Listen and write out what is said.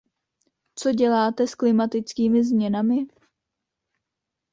Co děláte s klimatickými změnami?